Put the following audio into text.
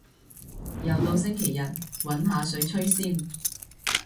又到星期日，搵下水吹先